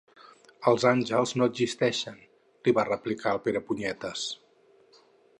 Els àngels no existeixen —li va replicar el Perepunyetes.